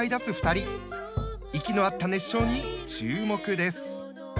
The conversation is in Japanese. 息の合った熱唱に注目です。